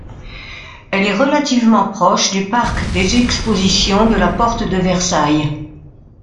Elle est relativement proche du Parc des expositions de la porte de Versailles.